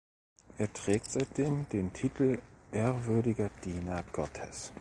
Er trägt seitdem den Titel "ehrwürdiger Diener Gottes".